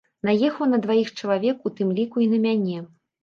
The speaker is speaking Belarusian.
Наехаў на дваіх чалавек, у тым ліку і на мяне.